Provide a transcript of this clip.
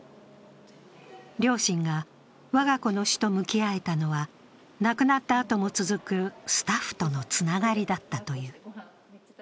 両親が我が子の死と向き合えたのは亡くなったあとも続くスタッフとのつながりだったという。